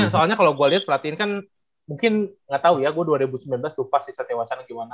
soalnya kalo gue liat pelatih ini kan mungkin gak tau ya gue dua ribu sembilan belas lupa sisa tewasan gimana